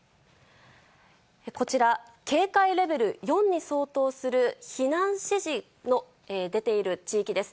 こちら、警戒レベル４に相当する避難指示の出ている地域です。